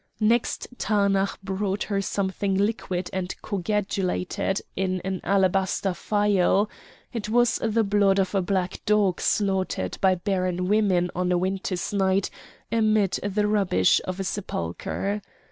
Next Taanach brought her something liquid and coagulated in an alabaster phial; it was the blood of a black dog slaughtered by barren women on a winter's night amid the rubbish of a sepulchre.